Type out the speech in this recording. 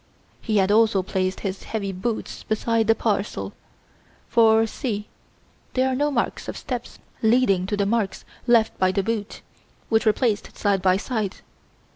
He had also placed his heavy boots beside the parcel, for, see there are no marks of steps leading to the marks left by the boots, which were placed side by side.